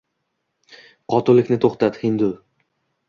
Qotillikni to’xtat, hindu